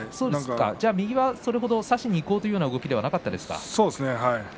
右を差しにいこうという動きではなかったですか？